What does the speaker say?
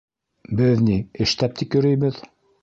Беҙ ни... эштәп тик йөрөйбөҙ.